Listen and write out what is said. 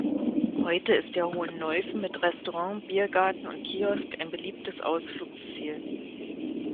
Heute ist der Hohenneuffen mit Restaurant, Biergarten und Kiosk ein beliebtes Ausflugsziel.